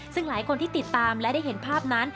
ซึ่งหลายคนที่ติดตามและได้เห็นภาพนั้น